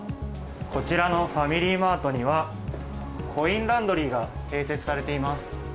こちらのファミリーマートには、コインランドリーが併設されています。